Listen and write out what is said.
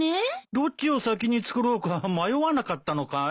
どっちを先に作ろうか迷わなかったのかい？